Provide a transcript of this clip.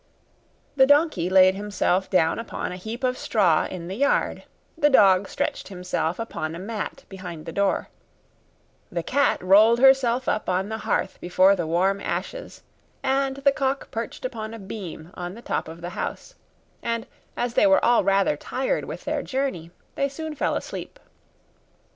The donkey laid himself down upon a heap of straw in the yard, the dog stretched himself upon a mat behind the door, the cat rolled herself up on the hearth before the warm ashes, and the cock perched upon a beam on the top of the house; and, as they were all rather tired with their journey, they soon fell asleep.